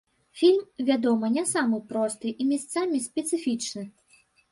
Фільм, вядома, не самы просты і месцамі спецыфічны.